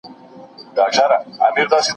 څوک د ټولني په اصلاح کي رول لري؟